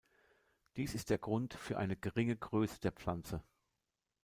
Dies ist der Grund für eine geringe Größe der Pflanzen.